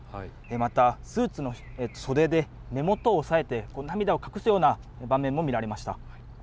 またスーツの袖で目元を押さえて涙を隠すような場面も見られました。